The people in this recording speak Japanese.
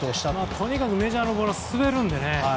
とにかくメジャーのは滑るので。